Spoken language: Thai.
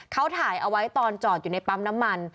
เขาถ่ายเอาไว้ตอนจอดอยู่ในปั๊มน้ำมัน